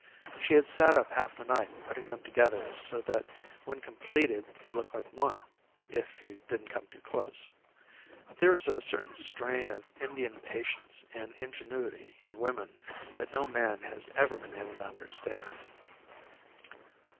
She had sat up half the night putting them together so that when completed they looked like one, if you didn't come too close. There is a certain strain of Indian patience and ingenuity in women that no man has ever been able to understand.